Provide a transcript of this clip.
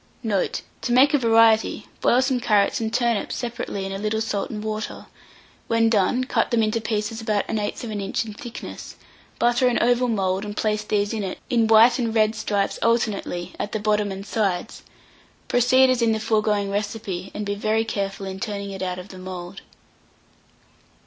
Note. To make a variety, boil some carrots and turnips separately in a little salt and water; when done, cut them into pieces about 1/8 inch in thickness; butter an oval mould, and place these in it, in white and red stripes alternately, at the bottom and sides. Proceed as in the foregoing recipe, and be very careful in turning it out of the mould.